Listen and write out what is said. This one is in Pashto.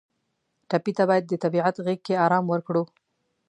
ټپي ته باید د طبیعت غېږ کې آرام ورکړو.